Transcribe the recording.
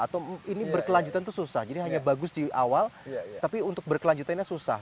atau ini berkelanjutan itu susah jadi hanya bagus di awal tapi untuk berkelanjutannya susah